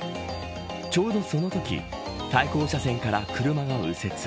ちょうどそのとき対向車線から車が右折。